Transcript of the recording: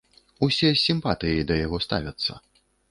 Усе з сімпатыяй да яго ставяцца.